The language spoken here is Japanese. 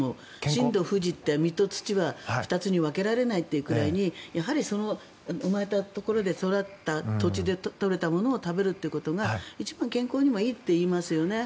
身土不二って、身と土って２つに分けられないってくらいにやはり生まれたところで育った土地で取れたものを食べるということが一番健康にもいいっていいますよね。